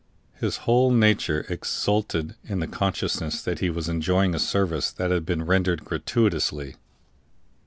His whole nature exulted in the consciousness that he was enjoying a service that had been rendered gratuitously.